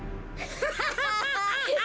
ハハハハハ！